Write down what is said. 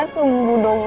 ma sembuh dong ma